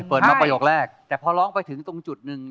เปิดมาประโยคแรกแต่พอร้องไปถึงตรงจุดหนึ่ง